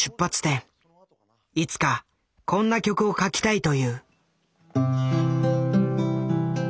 いつかこんな曲を書きたいという。」）